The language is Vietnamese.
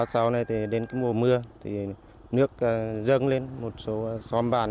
cái canh mưa ba mươi sáu này thì đến cái mùa mưa thì nước dâng lên một số xóm bản